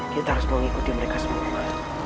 kita harus mengikuti mereka semua